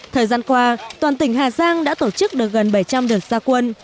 thời gian qua toàn tỉnh hà giang đã tổ chức được gần bảy trăm linh đợt gia quân